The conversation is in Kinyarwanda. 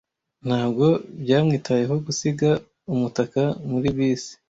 Ntabwo byamwitayeho gusiga umutaka muri bisi.